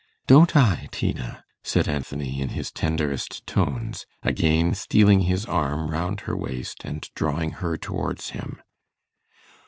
'Don't I, Tina?' said Anthony in his tenderest tones, again stealing his arm round her waist, and drawing her towards him.